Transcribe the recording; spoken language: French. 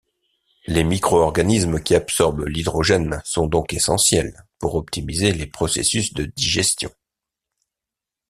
Les microorganismes qui absorbent l'hydrogène sont donc essentiels pour optimiser les processus de digestion.